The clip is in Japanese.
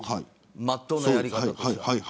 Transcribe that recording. まっとうなやり方としては。